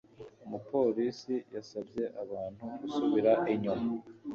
umupolisi yasabye abantu gusubira inyuma